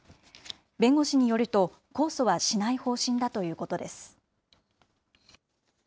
弁護士によると、控訴はしない方針だということです。